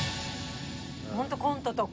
ホントコントとか。